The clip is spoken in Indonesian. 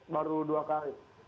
baru dua kali